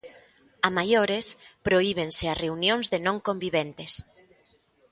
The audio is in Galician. A maiores, prohíbense as reunións de non conviventes.